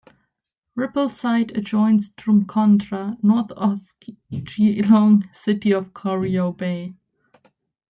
Rippleside adjoins Drumcondra, north of Geelong City on Corio Bay.